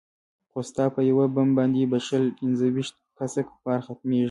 خو ستا په يو بم باندې به شل پينځه ويشت كسه كفار ختميږي.